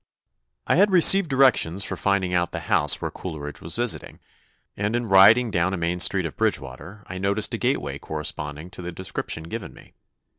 ] "I had received directions for finding out the house where Coleridge was visiting; and in riding down a main street of Bridgewater, I noticed a gateway corresponding to the description given me.